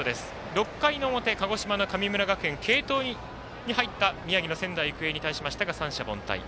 ６回の表、鹿児島の神村学園継投に入った宮城の仙台育英に対しましたが三者凡退。